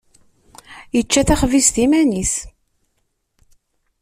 Yečča taxbizt iman-is.